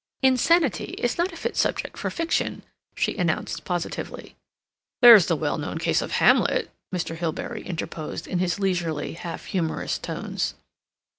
"Insanity is not a fit subject for fiction," she announced positively. "There's the well known case of Hamlet," Mr. Hilbery interposed, in his leisurely, half humorous tones.